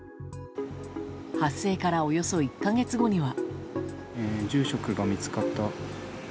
発生からおよそ１か月後には。